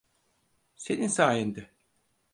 Senin sayende.